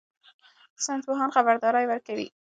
ساینس پوهان خبرداری ورکوي.